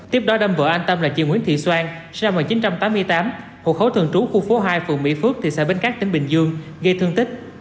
tiếp đó đâm vợ anh tâm là chị nguyễn thị xoan sinh năm một nghìn chín trăm tám mươi tám hộ khẩu thường trú khu phố hai phường mỹ phước thị xã bến cát tỉnh bình dương gây thương tích